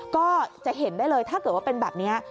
ก็จะเห็นได้เลยถ้าเกิดว่าเป็นแบบนี้